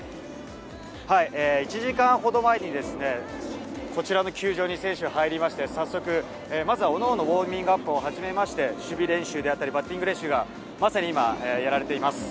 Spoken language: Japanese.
１時間ほど前にですね、こちらの球場に選手、入りまして、早速、まずは各々ウォーミングアップを始めまして、守備練習であったり、バッティング練習が、まさに今、やられています。